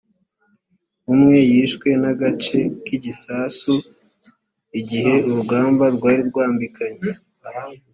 umwe yishwe n agace k igisasu igihe urugamba rwari rwambikanye